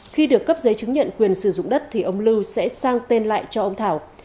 khi được cấp giấy chứng nhận quyền sử dụng đất thì ông lưu sẽ sang tên lại cho ông thảo